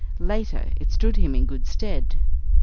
Later, it stood him in good stead.